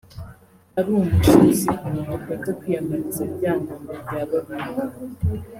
ari umushitsi dukunze kwiyambariza Ryangombe rya Babinga